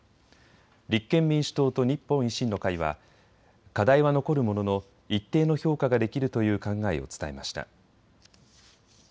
立憲民主党と日本維新の会は課題は残るものの一定の評価ができるという考えを伝えました。